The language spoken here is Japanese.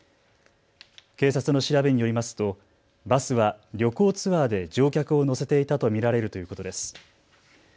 警察の調べによりますとバスは旅行ツアーで乗客を乗せていたと見られるということです。